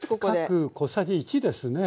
各小さじ１ですね。